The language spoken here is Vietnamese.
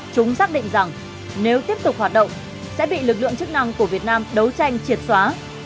chúng xác định rằng nếu tiếp tục hoạt động sẽ bị lực lượng chức năng của việt nam đấu tranh triệt xóa